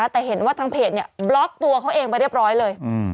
แต่เห็นว่าทางเพจบล็อกตัวเขาเองไปเรียบร้อยเลย